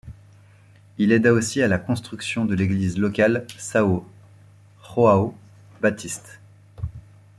Il aida aussi à la construction de l'église locale São João Baptiste.